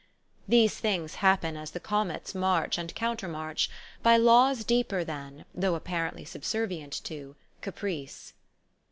These things hap pen as the comets march and countermarch, by laws deeper than, though apparently subservient to, ca price.